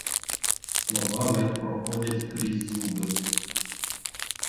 Слова ледь проходять крізь зуби.